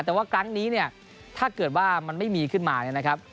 แต่ว่าครั้งนี้ถ้าเกิดว่ามันไม่มีขึ้นมา